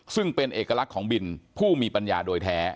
ซึ่งเป็นเอกลักษณ์ของบินผู้มีปัญญาโดยแท้